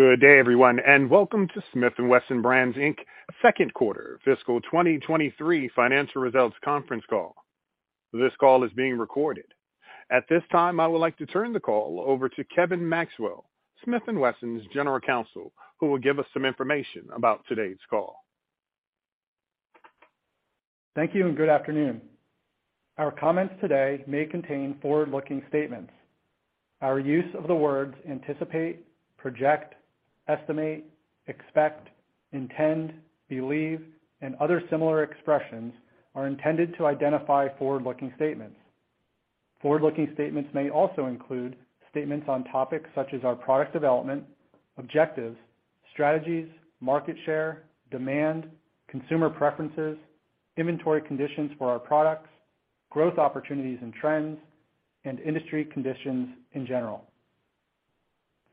Good day, everyone, welcome to Smith & Wesson Brands, Inc.'s Second Quarter Fiscal 2023 Financial Results Conference Call. This call is being recorded. At this time, I would like to turn the call over to Kevin Maxwell, Smith & Wesson's General Counsel, who will give us some information about today's call. Thank you, and good afternoon. Our comments today may contain forward-looking statements. Our use of the words anticipate, project, estimate, expect, intend, believe, and other similar expressions are intended to identify forward-looking statements. Forward-looking statements may also include statements on topics such as our product development, objectives, strategies, market share, demand, consumer preferences, inventory conditions for our products, growth opportunities and trends, and industry conditions in general.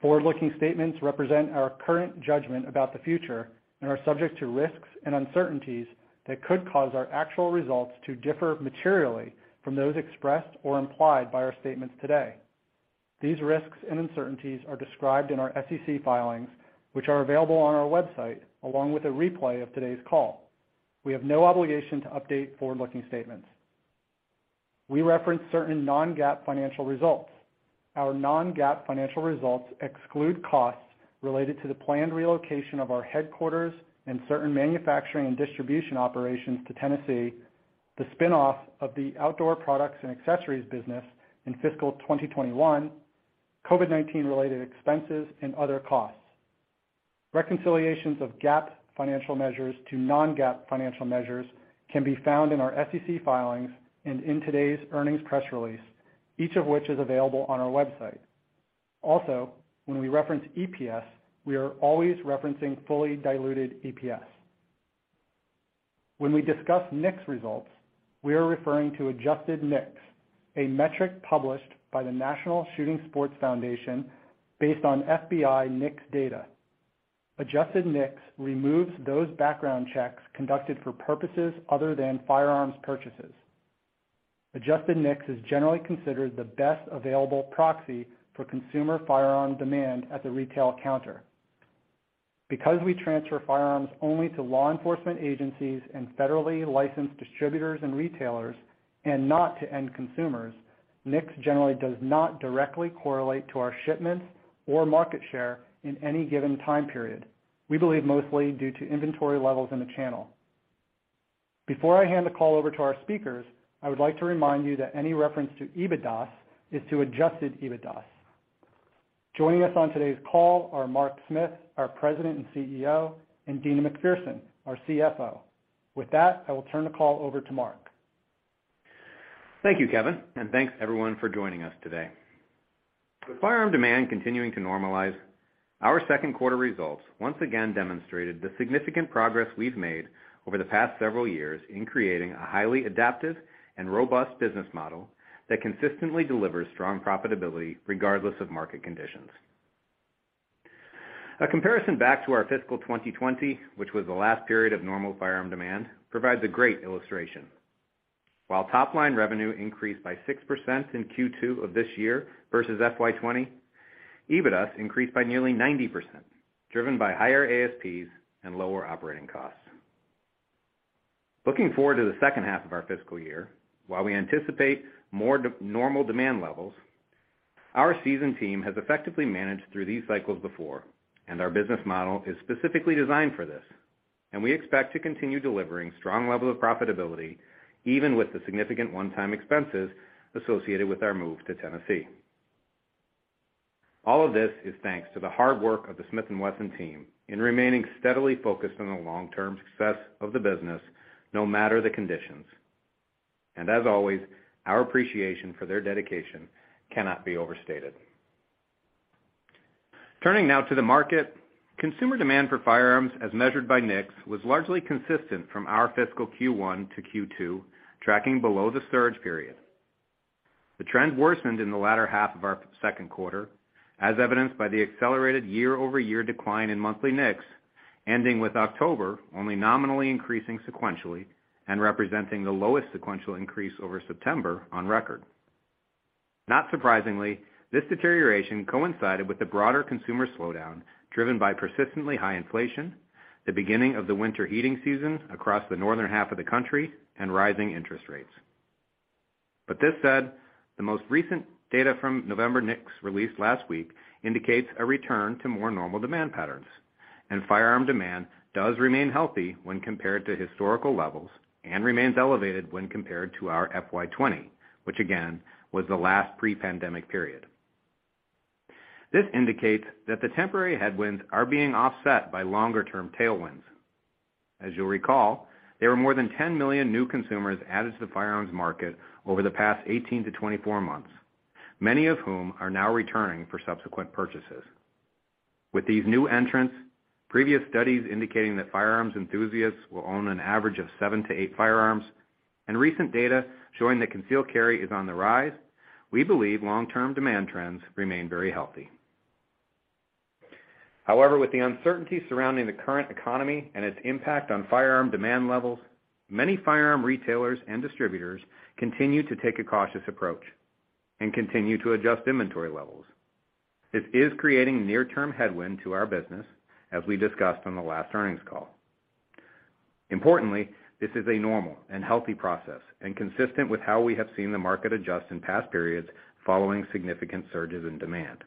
Forward-looking statements represent our current judgment about the future and are subject to risks and uncertainties that could cause our actual results to differ materially from those expressed or implied by our statements today. These risks and uncertainties are described in our SEC filings, which are available on our website, along with a replay of today's call. We have no obligation to update forward-looking statements. We reference certain non-GAAP financial results. Our non-GAAP financial results exclude costs related to the planned relocation of our headquarters and certain manufacturing and distribution operations to Tennessee, the spin-off of the outdoor products and accessories business in fiscal 2021, COVID-19 related expenses, and other costs. Reconciliations of GAAP financial measures to non-GAAP financial measures can be found in our SEC filings and in today's earnings press release, each of which is available on our website. When we reference EPS, we are always referencing fully diluted EPS. When we discuss NICS results, we are referring to adjusted NICS, a metric published by the National Shooting Sports Foundation based on FBI NICS data. Adjusted NICS removes those background checks conducted for purposes other than firearms purchases. Adjusted NICS is generally considered the best available proxy for consumer firearm demand at the retail counter. We transfer firearms only to law enforcement agencies and federally licensed distributors and retailers and not to end consumers, NICS generally does not directly correlate to our shipments or market share in any given time period, we believe mostly due to inventory levels in the channel. Before I hand the call over to our speakers, I would like to remind you that any reference to EBITDA is to adjusted EBITDA. Joining us on today's call are Mark Smith, our President and CEO, and Deana McPherson, our CFO. With that, I will turn the call over to Mark. Thank you, Kevin, and thanks everyone for joining us today. With firearm demand continuing to normalize, our second quarter results once again demonstrated the significant progress we've made over the past several years in creating a highly adaptive and robust business model that consistently delivers strong profitability regardless of market conditions. A comparison back to our fiscal 2020, which was the last period of normal firearm demand, provides a great illustration. While top line revenue increased by 6% in Q2 of this year versus FY 2020, EBITDA increased by nearly 90%, driven by higher ASPs and lower operating costs. Looking forward to the second-half of our fiscal year, while we anticipate more normal demand levels, our seasoned team has effectively managed through these cycles before, our business model is specifically designed for this, we expect to continue delivering strong levels of profitability, even with the significant one-time expenses associated with our move to Tennessee. All of this is thanks to the hard work of the Smith & Wesson team in remaining steadily focused on the long-term success of the business, no matter the conditions. As always, our appreciation for their dedication cannot be overstated. Turning now to the market, consumer demand for firearms as measured by NICS was largely consistent from our fiscal Q1 to Q2, tracking below the surge period. The trend worsened in the latter half of our second quarter, as evidenced by the accelerated year-over-year decline in monthly NICS, ending with October only nominally increasing sequentially and representing the lowest sequential increase over September on record. Not surprisingly, this deterioration coincided with the broader consumer slowdown driven by persistently high inflation, the beginning of the winter heating season across the northern half of the country, and rising interest rates. This said, the most recent data from November NICS released last week indicates a return to more normal demand patterns. Firearm demand does remain healthy when compared to historical levels and remains elevated when compared to our FY 2020, which again was the last pre-pandemic period. This indicates that the temporary headwinds are being offset by longer-term tailwinds. As you'll recall, there were more than 10 million new consumers added to the firearms market over the past 18–24 months, many of whom are now returning for subsequent purchases. With these new entrants, previous studies indicating that firearms enthusiasts will own an average of 7–8 firearms, and recent data showing that concealed carry is on the rise, we believe long-term demand trends remain very healthy. However, with the uncertainty surrounding the current economy and its impact on firearm demand levels, many firearm retailers and distributors continue to take a cautious approach. Continue to adjust inventory levels. This is creating near-term headwind to our business, as we discussed on the last earnings call. Importantly, this is a normal and healthy process and consistent with how we have seen the market adjust in past periods following significant surges in demand.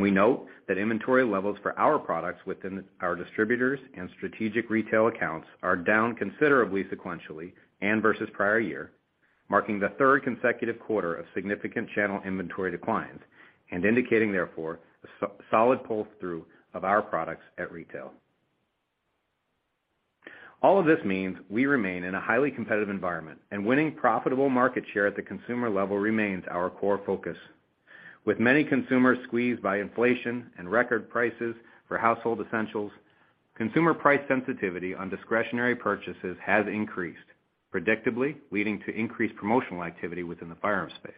We note that inventory levels for our products within our distributors and strategic retail accounts are down considerably sequentially and versus prior year, marking the third consecutive quarter of significant channel inventory declines and indicating therefore a solid pull-through of our products at retail. All of this means we remain in a highly competitive environment and winning profitable market share at the consumer level remains our core focus. With many consumers squeezed by inflation and record prices for household essentials, consumer price sensitivity on discretionary purchases has increased, predictably leading to increased promotional activity within the firearm space.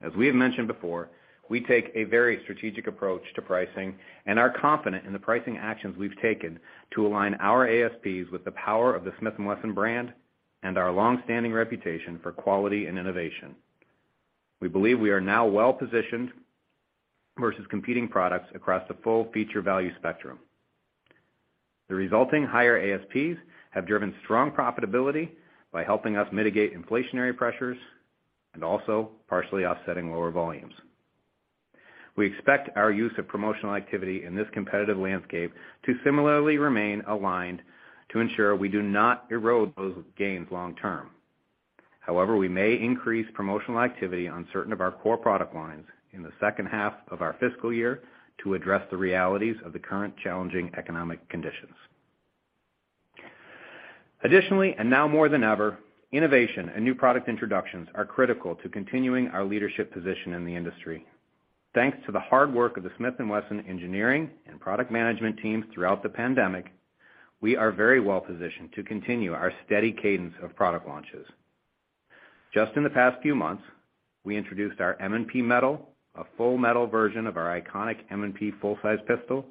As we have mentioned before, we take a very strategic approach to pricing and are confident in the pricing actions we've taken to align our ASPs with the power of the Smith & Wesson brand and our long-standing reputation for quality and innovation. We believe we are now well-positioned versus competing products across the full feature value spectrum. The resulting higher ASPs have driven strong profitability by helping us mitigate inflationary pressures and also partially offsetting lower volumes. We expect our use of promotional activity in this competitive landscape to similarly remain aligned to ensure we do not erode those gains long term. However, we may increase promotional activity on certain of our core product lines in the second-half of our fiscal year to address the realities of the current challenging economic conditions. Additionally, now more than ever, innovation and new product introductions are critical to continuing our leadership position in the industry. Thanks to the hard work of the Smith & Wesson engineering and product management teams throughout the pandemic, we are very well-positioned to continue our steady cadence of product launches. Just in the past few months, we introduced our M&P METAL, a full metal version of our iconic M&P full-size pistol,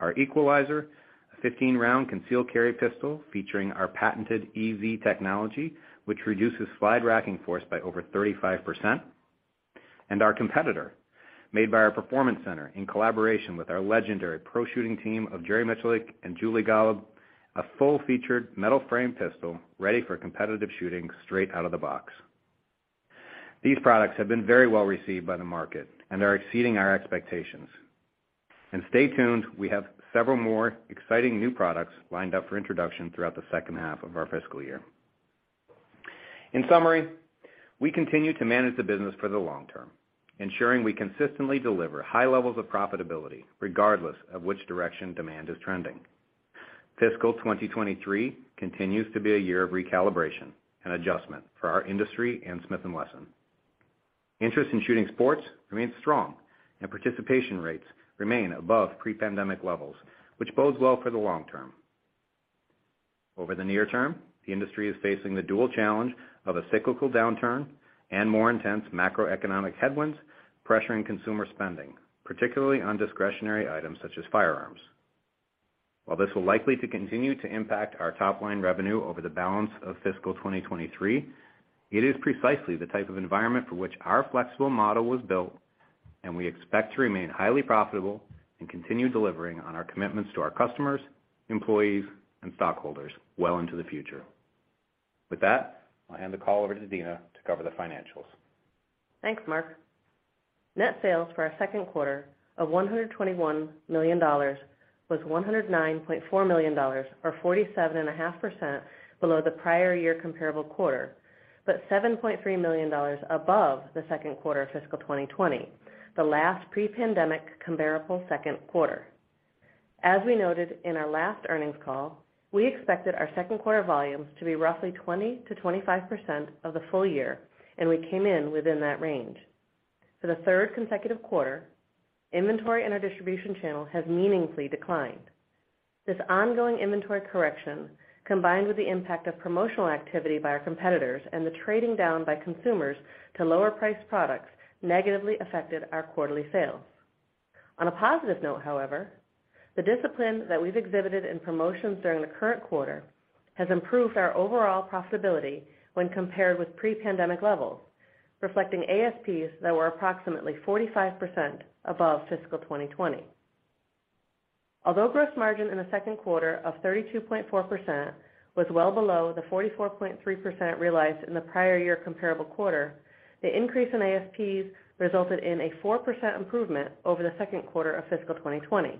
our EQUALIZER, a 15-round concealed carry pistol featuring our patented EZ technology, which reduces slide racking force by over 35%, and our Competitor made by our PERFORMANCE CENTER in collaboration with our legendary pro shooting team of Jerry Miculek and Julie Golob, a full-featured metal frame pistol ready for competitive shooting straight out of the box. These products have been very well received by the market and are exceeding our expectations. Stay tuned, we have several more exciting new products lined up for introduction throughout the second-half of our fiscal year. In summary, we continue to manage the business for the long term, ensuring we consistently deliver high levels of profitability regardless of which direction demand is trending. Fiscal 2023 continues to be a year of recalibration and adjustment for our industry and Smith & Wesson. Interest in shooting sports remains strong and participation rates remain above pre-pandemic levels, which bodes well for the long term. Over the near term, the industry is facing the dual challenge of a cyclical downturn and more intense macroeconomic headwinds pressuring consumer spending, particularly on discretionary items such as firearms. While this will likely to continue to impact our top line revenue over the balance of fiscal 2023, it is precisely the type of environment for which our flexible model was built, and we expect to remain highly profitable and continue delivering on our commitments to our customers, employees and stockholders well into the future. With that, I'll hand the call over to Deana to cover the financials. Thanks, Mark. Net sales for our second quarter of $121 million was $109.4 million, or 47.5% below the prior year comparable quarter, but $7.3 million above the second quarter of fiscal 2020, the last pre-pandemic comparable second quarter. As we noted in our last earnings call, we expected our second quarter volumes to be roughly 20%-25% of the full-year, and we came in within that range. For the third consecutive quarter, inventory in our distribution channel has meaningfully declined. This ongoing inventory correction, combined with the impact of promotional activity by our competitors and the trading down by consumers to lower priced products, negatively affected our quarterly sales. On a positive note, however, the discipline that we've exhibited in promotions during the current quarter has improved our overall profitability when compared with pre-pandemic levels, reflecting ASPs that were approximately 45% above fiscal 2020. Although gross margin in the second quarter of 32.4% was well below the 44.3% realized in the prior year comparable quarter, the increase in ASPs resulted in a 4% improvement over the second quarter of fiscal 2020.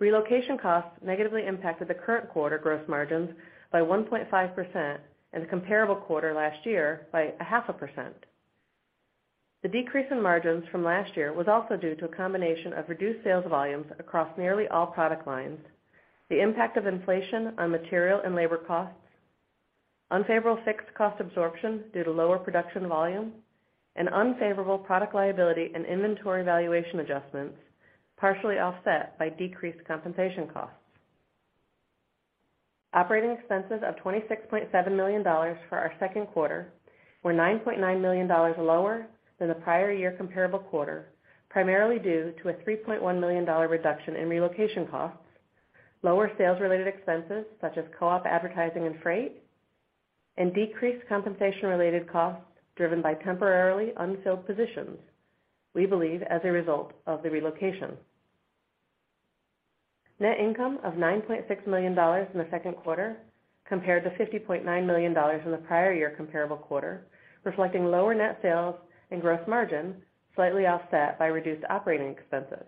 Relocation costs negatively impacted the current quarter gross margins by 1.5% and the comparable quarter last year by 0.5%. The decrease in margins from last year was also due to a combination of reduced sales volumes across nearly all product lines, the impact of inflation on material and labor costs, unfavorable fixed cost absorption due to lower production volume, and unfavorable product liability and inventory valuation adjustments, partially offset by decreased compensation costs. Operating expenses of $26.7 million for our second quarter were $9.9 million lower than the prior year comparable quarter, primarily due to a $3.1 million reduction in relocation costs, lower sales related expenses such as co-op advertising and freight, and decreased compensation related costs driven by temporarily unfilled positions, we believe, as a result of the relocation. Net income of $9.6 million in the second quarter compared to $50.9 million in the prior year comparable quarter, reflecting lower net sales and gross margin, slightly offset by reduced operating expenses.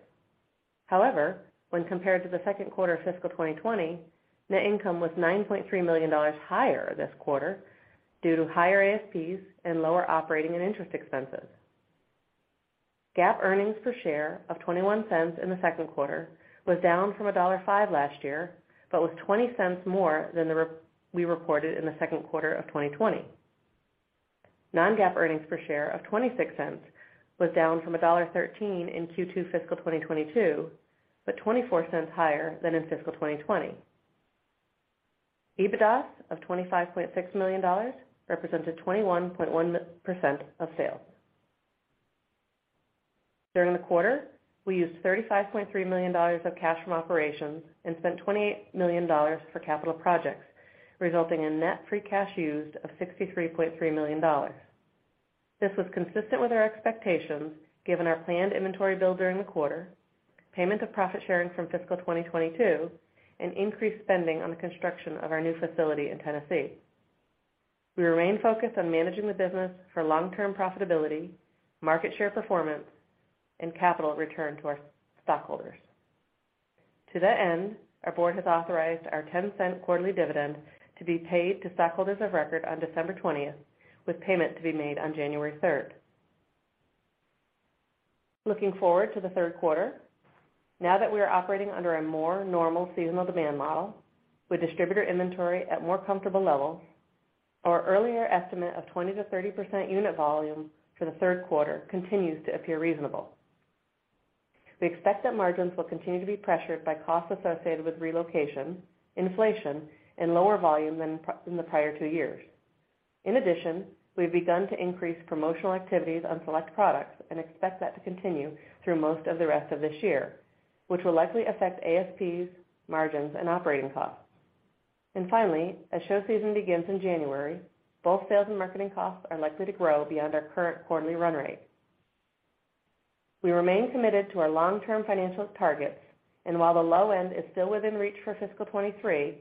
When compared to the second quarter of fiscal 2020, net income was $9.3 million higher this quarter due to higher ASPs and lower operating and interest expenses. GAAP earnings per share of $0.21 in the second quarter was down from $1.05 last year, but was $0.20 more than we reported in the second quarter of 2020. Non-GAAP earnings per share of $0.26 was down from $1.13 in Q2 fiscal 2022, but $0.24 higher than in fiscal 2020. EBITDA of $25.6 million represented 21.1% of sales. During the quarter, we used $35.3 million of cash from operations and spent $28 million for capital projects, resulting in net free cash used of $63.3 million. This was consistent with our expectations, given our planned inventory build during the quarter, payment of profit sharing from fiscal 2022, and increased spending on the construction of our new facility in Tennessee. We remain focused on managing the business for long-term profitability, market share performance, and capital return to our stockholders. To that end, our board has authorized our $0.10 quarterly dividend to be paid to stockholders of record on December 20th, with payment to be made on January 3rd. Looking forward to the third quarter, now that we are operating under a more normal seasonal demand model with distributor inventory at more comfortable levels, our earlier estimate of 20%-30% unit volume for the third quarter continues to appear reasonable. We expect that margins will continue to be pressured by costs associated with relocation, inflation, and lower volume than in the prior two years. In addition, we've begun to increase promotional activities on select products and expect that to continue through most of the rest of this year, which will likely affect ASPs, margins, and operating costs. Finally, as show season begins in January, both sales and marketing costs are likely to grow beyond our current quarterly run rate. We remain committed to our long-term financial targets, and while the low end is still within reach for fiscal 2023,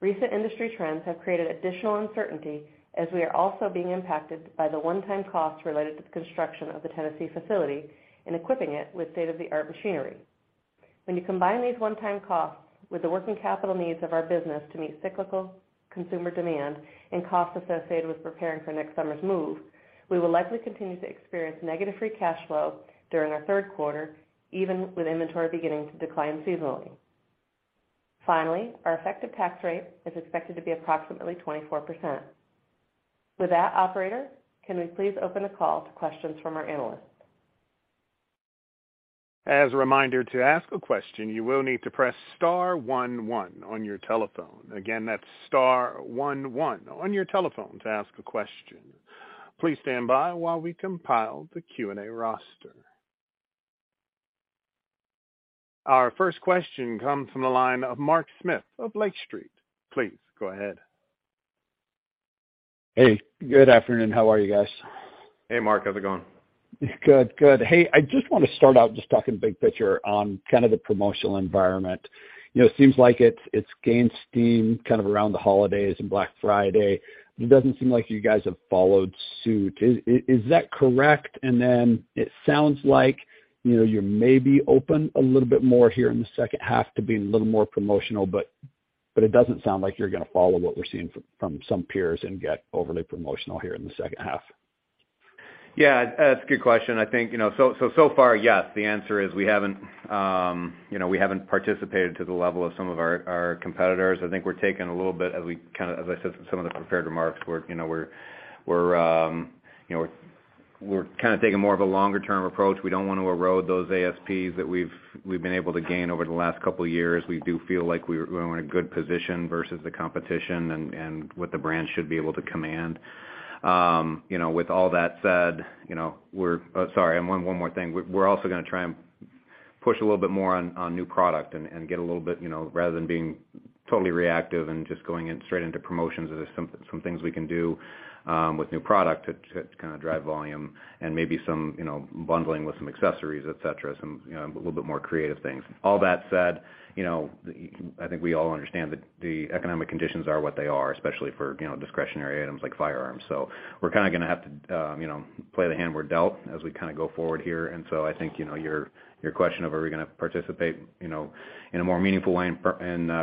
recent industry trends have created additional uncertainty as we are also being impacted by the one-time costs related to the construction of the Tennessee facility and equipping it with state-of-the-art machinery. When you combine these one-time costs with the working capital needs of our business to meet cyclical consumer demand and costs associated with preparing for next summer's move, we will likely continue to experience negative free cash flow during our third quarter, even with inventory beginning to decline seasonally. Finally, our effective tax rate is expected to be approximately 24%. With that, operator, can we please open the call to questions from our analysts? As a reminder, to ask a question, you will need to press star one one on your telephone. Again, that's star one one on your telephone to ask a question. Please stand by while we compile the Q&A roster. Our first question comes from the line of Mark Smith of Lake Street. Please go ahead. Hey, good afternoon. How are you guys? Hey, Mark. How's it going? Good. Hey, I just wanna start out just talking big picture on kind of the promotional environment. You know, it seems like it's gained steam kind of around the holidays and Black Friday. It doesn't seem like you guys have followed suit. Is that correct? Then it sounds like, you know, you're maybe open a little bit more here in the second-half to being a little more promotional, but it doesn't sound like you're gonna follow what we're seeing from some peers and get overly promotional here in the second-half. Yeah, that's a good question. I think, you know, so far, yes. The answer is we haven't, you know, we haven't participated to the level of some of our competitors. I think we're taking a little bit as I said, some of the prepared remarks, we're kind of taking more of a longer term approach. We don't want to erode those ASPs that we've been able to gain over the last couple years. We do feel like we're in a good position versus the competition and what the brand should be able to command. You know, with all that said, you know, we're—sorry, one more thing. We're also gonna try and push a little bit more on new product and get a little bit, you know, rather than being totally reactive and just going in straight into promotions, there's some things we can do with new product to kind of drive volume and maybe some, you know, bundling with some accessories, et cetera, some, you know, a little bit more creative things. All that said, you know, I think we all understand that the economic conditions are what they are, especially for, you know, discretionary items like firearms. We're kinda gonna have to, you know, play the hand we're dealt as we kinda go forward here. I think, you know, your question of are we gonna participate, you know, in a more meaningful way in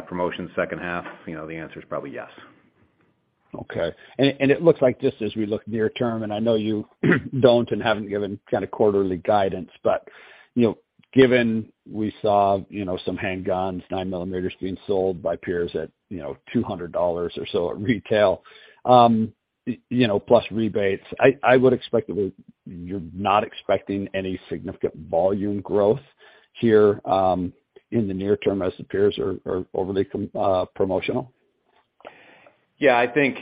promotions second-half, you know, the answer is probably yes. Okay. It looks like just as we look near term, I know you don't and haven't given kinda quarterly guidance, you know, given we saw, you know, some handguns, 9 mm being sold by peers at, you know, $200 or so at retail, you know, plus rebates, I would expect that you're not expecting any significant volume growth here in the near term as the peers are overly promotional? Yeah, I think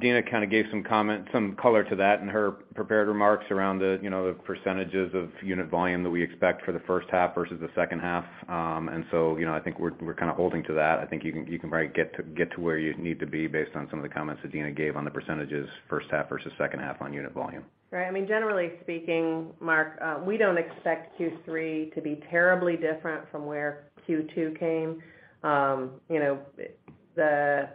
Deana kind of gave some comment, some color to that in her prepared remarks around the, you know, the percentages of unit volume that we expect for the first-half versus the second-half. You know, I think we're kind of holding to that. I think you can, you can probably get to, get to where you need to be based on some of the comments that Deana gave on the percentages first-half versus second-half on unit volume. Right. I mean, generally speaking, Mark, we don't expect Q3 to be terribly different from where Q2 came. You know, the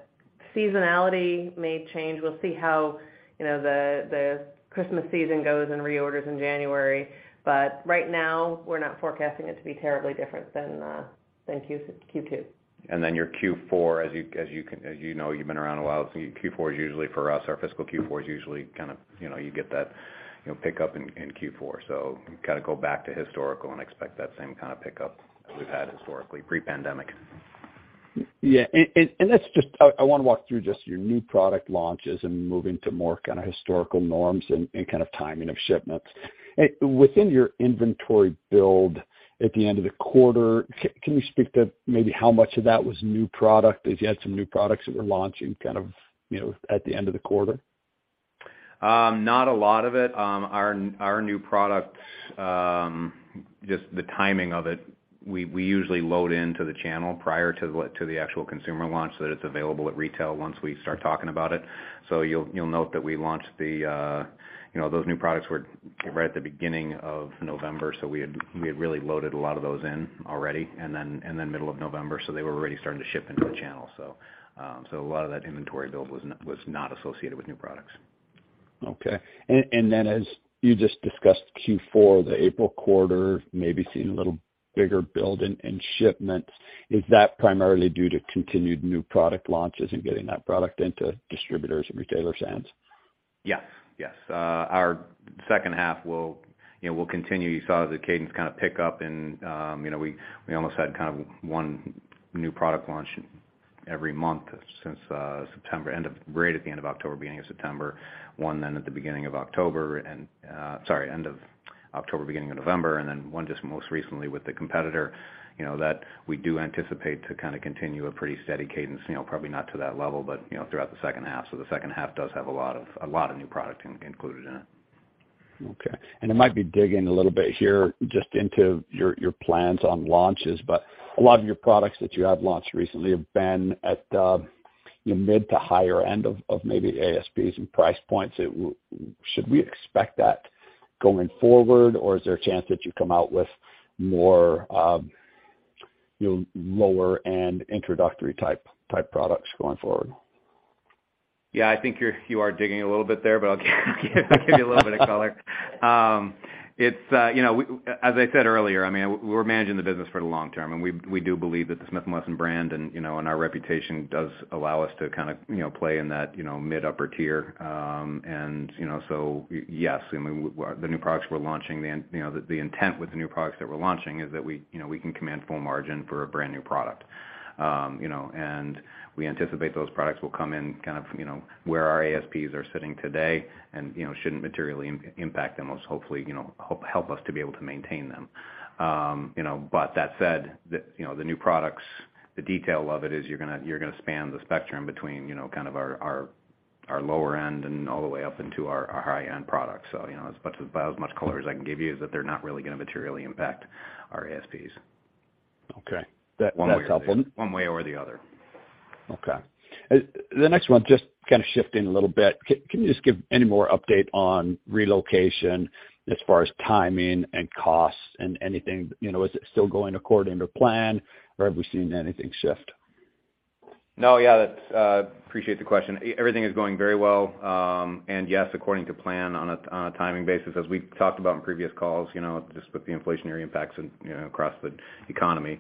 seasonality may change. We'll see how, you know, the Christmas season goes and reorders in January. Right now, we're not forecasting it to be terribly different than Q2. Then your Q4 as you know, you've been around a while, so Q4 is usually for us, our fiscal Q4 is usually kind of, you know, you get that, you know, pickup in Q4. Kind of go back to historical and expect that same kind of pickup that we've had historically pre-pandemic. Yeah. I wanna walk through just your new product launches and moving to more kind of historical norms and kind of timing of shipments. Within your inventory build at the end of the quarter, can you speak to maybe how much of that was new product, as you had some new products that were launching kind of, you know, at the end of the quarter? Not a lot of it. Our new products, just the timing of it, we usually load into the channel prior to the actual consumer launch, so that it's available at retail once we start talking about it. You'll note that we launched the new products right at the beginning of November, so we had really loaded a lot of those in already, and then middle of November, so they were already starting to ship into the channel. A lot of that inventory build was not associated with new products. Okay. As you just discussed Q4, the April quarter, maybe seeing a little bigger build in shipments. Is that primarily due to continued new product launches and getting that product into distributors and retailers' hands? Yes, yes. Our second-half will, you know, will continue. You saw the cadence kind of pick up and, you know, we almost had kind of one new product launch every month since September, Right at the end of October, beginning of September, one then at the beginning of October and—sorry, end of October, beginning of November, and then one just most recently with the Competitor, you know, that we do anticipate to kind of continue a pretty steady cadence, you know, probably not to that level, but, you know, throughout the second-half. The second-half does have a lot of new product included in it. Okay. It might be digging a little bit here just into your plans on launches, but a lot of your products that you have launched recently have been at the, you know, mid to higher end of maybe ASPs and price points. Should we expect that going forward, or is there a chance that you come out with more, you know, lower end introductory type products going forward? Yeah. I think you're, you are digging a little bit there, but I'll give you a little bit of color. It's, you know, As I said earlier, I mean, we're managing the business for the long term, and we do believe that the Smith & Wesson brand and, you know, and our reputation does allow us to kind of, you know, play in that, you know, mid upper tier. Yes, I mean, the new products we're launching then, you know, the intent with the new products that we're launching is that we, you know, we can command full margin for a brand new product. You know, we anticipate those products will come in kind of, you know, where our ASPs are sitting today and, you know, shouldn't materially impact them, will hopefully, you know, help us to be able to maintain them. You know, that said, the, you know, the new products, the detail of it is you're gonna, you're gonna span the spectrum between, you know, kind of our lower end and all the way up into our high-end products. You know, about as much color as I can give you is that they're not really gonna materially impact our ASPs. Okay. That's helpful. One way or the other. One way or the other. Okay. The next one, just kind of shifting a little bit. Can you just give any more update on relocation as far as timing and costs and anything? You know, is it still going according to plan, or have we seen anything shift? No, yeah. That's. Appreciate the question. Everything is going very well. Yes, according to plan on a timing basis, as we've talked about in previous calls, you know, just with the inflationary impacts and, you know, across the economy,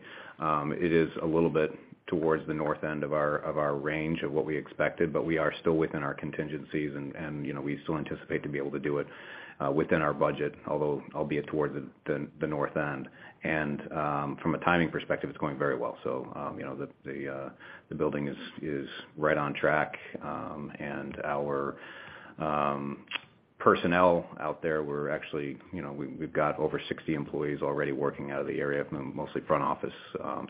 it is a little bit towards the north end of our range of what we expected, but we are still within our contingencies and, we still anticipate to be able to do it within our budget, although albeit towards the north end. From a timing perspective, it's going very well. You know, the building is right on track. Our personnel out there, we're actually, you know, we've got over 60 employees already working out of the area, mostly front office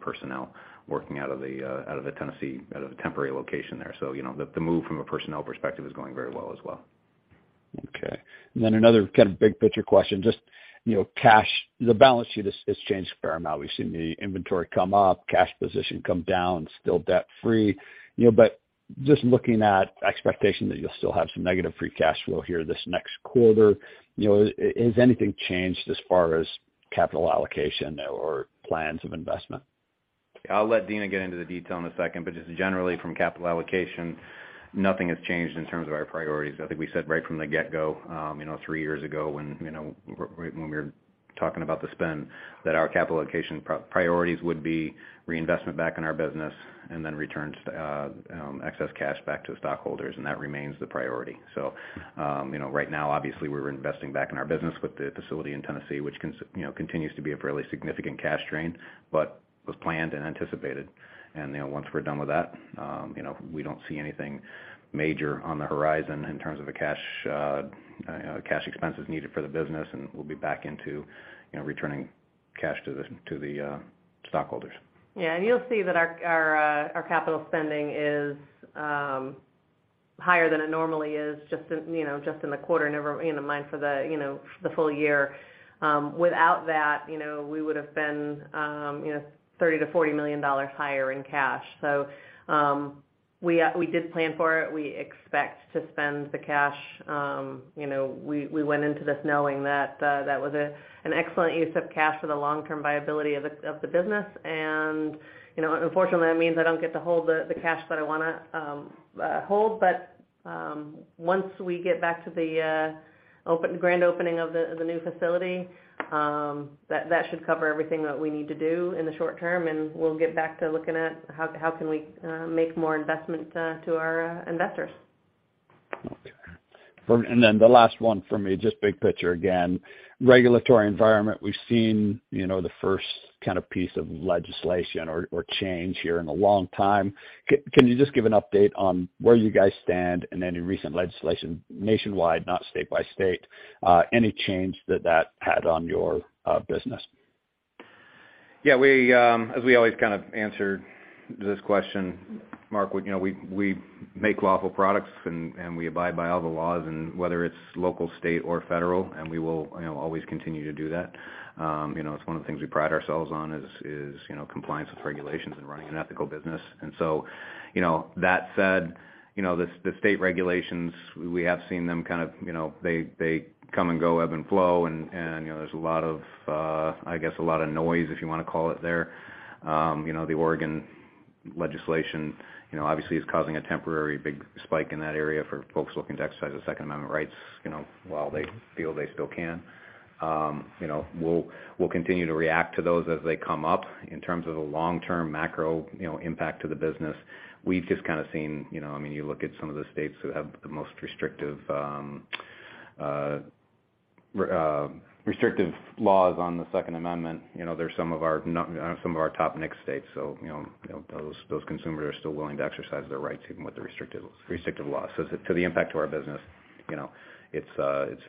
personnel working out of the out of the Tennessee, out of the temporary location there. You know, the move from a personnel perspective is going very well as well. Okay. Another kind of big picture question—just, you know, cash, the balance sheet has changed a fair amount. We've seen the inventory come up, cash position come down, still debt-free. You know, just looking at expectation that you'll still have some negative free cash flow here this next quarter, you know, has anything changed as far as capital allocation or plans of investment? I'll let Deana get into the detail in a second, just generally from capital allocation, nothing has changed in terms of our priorities. I think we said right from the get-go, you know, three years ago when, you know, when we were talking about the spend, that our capital allocation priorities would be reinvestment back in our business returns excess cash back to stockholders, remains the priority. You know, right now, obviously, we're investing back in our business with the facility in Tennessee, which continues to be a fairly significant cash drain, was planned and anticipated. You know, once we're done with that, you know, we don't see anything major on the horizon in terms of the cash expenses needed for the business. We'll be back into, you know, returning cash to the stockholders. Yeah. You'll see that our capital spending is higher than it normally is just in, you know, just in the quarter. Never, you know, mind for the, you know, for the full-year. Without that, you know, we would've been, you know, $30 million-$40 million higher in cash. We did plan for it. We expect to spend the cash. You know, we went into this knowing that that was an excellent use of cash for the long-term viability of the business. You know, unfortunately, that means I don't get to hold the cash that I wanna hold. Once we get back to the grand opening of the new facility, that should cover everything that we need to do in the short term, and we'll get back to looking at how can we make more investments to our investors. Okay. Then the last one from me, just big picture again. Regulatory environment, we've seen, you know, the first kind of piece of legislation or change here in a long time. Can you just give an update on where you guys stand in any recent legislation nationwide, not state by state, any change that that had on your business? Yeah. We, as we always kind of answer this question, Mark, you know, we make lawful products and we abide by all the laws whether it's local, state, or federal, and we will, you know, always continue to do that. You know, it's one of the things we pride ourselves on is, you know, compliance with regulations and running an ethical business. You know, that said, you know, the state regulations, we have seen them kind of, you know, they come and go, ebb and flow and, you know, there's a lot of, I guess a lot of noise, if you wanna call it there. You know, the Oregon legislation, you know, obviously is causing a temporary big spike in that area for folks looking to exercise their Second Amendment rights, you know, while they feel they still can. You know, we'll continue to react to those as they come up. In terms of the long-term macro, you know, impact to the business, we've just kinda seen, you know, I mean, you look at some of the states who have the most restrictive laws on the Second Amendment, you know, they're some of our some of our top mixed states. You know, those consumers are still willing to exercise their rights even with the restrictive laws. As to the impact to our business, you know, it's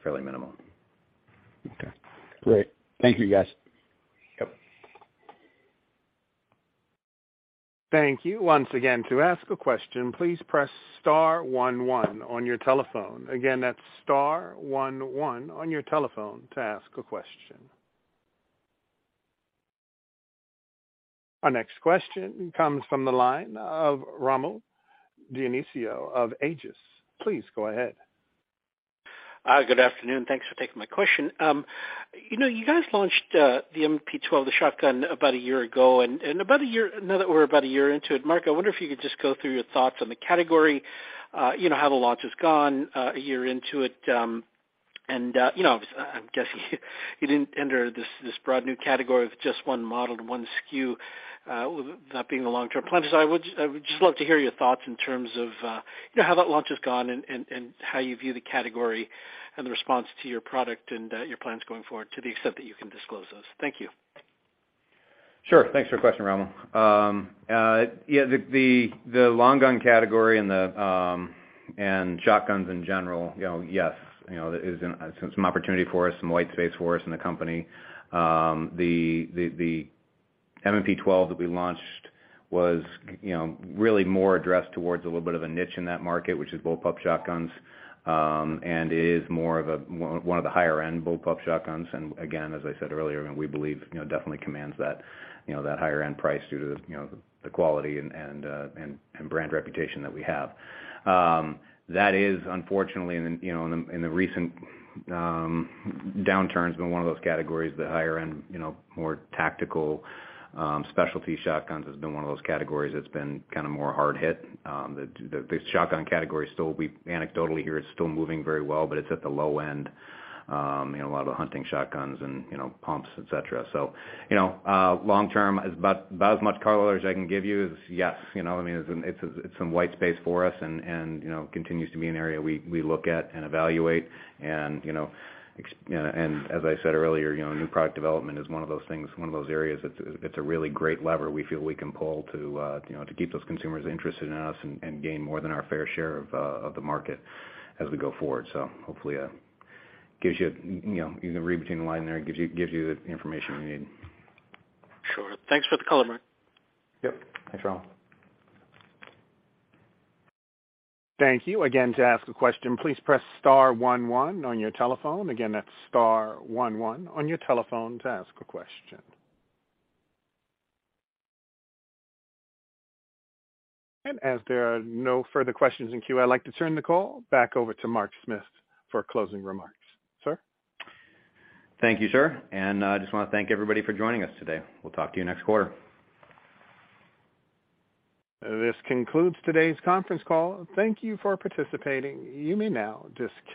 fairly minimal. Okay. Great. Thank you, guys. Yep. Thank you. Once again, to ask a question, please press star one one on your telephone. Again, that's star one one on your telephone to ask a question. Our next question comes from the line of Rommel Dionisio of Aegis. Please go ahead. Good afternoon. Thanks for taking my question. You know, you guys launched the M&P12, the shotgun about a year ago, now that we're about a year into it, Mark, I wonder if you could just go through your thoughts on the category. You know, how the launch has gone a year into it. You know, I'm guessing you didn't enter this broad new category with just one model, one SKU, that being the long-term plan. I would just love to hear your thoughts in terms of, you know, how that launch has gone and how you view the category and the response to your product and your plans going forward to the extent that you can disclose those. Thank you. Sure. Thanks for question, Rommel. Yeah, the long gun category and shotguns in general, you know, yes, you know, there's some opportunity for us, some white space for us in the company. The M&P12 that we launched was, you know, really more addressed towards a little bit of a niche in that market, which is bullpup shotguns, and is one of the higher end bullpup shotguns. Again, as I said earlier, and we believe, you know, definitely commands that, you know, that higher end price due to the, you know, the quality and brand reputation that we have. That is unfortunately in, you know, in the, in the recent downturns, been one of those categories, the higher end, you know, more tactical, specialty shotguns has been one of those categories that's been kinda more hard hit. The shotgun category still, we anecdotally hear it's still moving very well, but it's at the low end. You know, a lot of the hunting shotguns and, you know, pumps, et cetera. You know, long term, about as much color as I can give you is, yes, you know what I mean? It's some white space for us and, you know, continues to be an area we look at and evaluate and, you know, As I said earlier, you know, new product development is one of those things, one of those areas that it's a really great lever we feel we can pull to, you know, to keep those consumers interested in us and gain more than our fair share of the market as we go forward. Hopefully that gives you know, you can read between the line there, it gives you the information you need. Sure. Thanks for the color, Mark. Yep. Thanks, Rommel. Thank you. Again, to ask a question, please press star one one on your telephone. Again, that's star one one on your telephone to ask a question. As there are no further questions in queue, I'd like to turn the call back over to Mark Smith for closing remarks. Sir? Thank you, sir. I just wanna thank everybody for joining us today. We'll talk to you next quarter. This concludes today's conference call. Thank Thank you for participating. You may now disconnect.